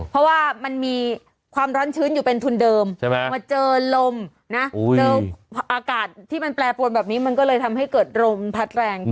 เพราะว่ามันมีความร้อนชื้นอยู่เป็นทุนเดิมใช่ไหมมาเจอลมนะเจออากาศที่มันแปรปรวนแบบนี้มันก็เลยทำให้เกิดลมพัดแรง